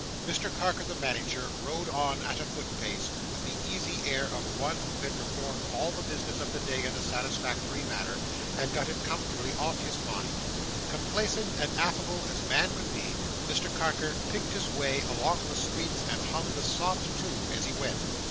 Mr Carker the Manager rode on at a foot pace, with the easy air of one who had performed all the business of the day in a satisfactory manner, and got it comfortably off his mind. Complacent and affable as man could be, Mr Carker picked his way along the streets and hummed a soft tune as he went.